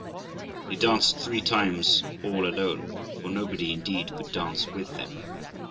They danced three times all alone, for nobody, indeed, could dance with them.